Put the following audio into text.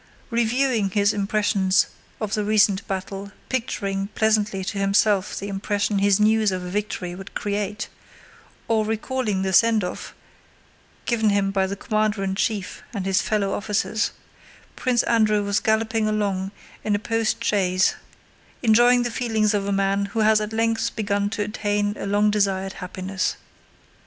Reviewing his impressions of the recent battle, picturing pleasantly to himself the impression his news of a victory would create, or recalling the send off given him by the commander in chief and his fellow officers, Prince Andrew was galloping along in a post chaise enjoying the feelings of a man who has at length begun to attain a long desired happiness.